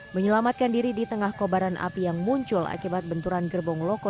menyelamatkan diri di tengah kobaran api yang muncul akibat benturan gerbong loko